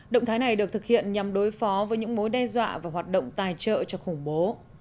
động thái này được thực hiện nhằm đối phó với những mối đe dọa và hoạt động tài trợ cho khủng bố